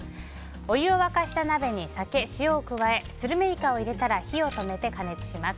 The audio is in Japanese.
湯を沸かした鍋に、酒と塩を加えスルメイカを入れたら火を止めて、加熱します。